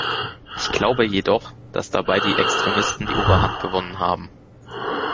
Ich glaube jedoch, dass dabei die Extremisten die Oberhand gewonnen haben.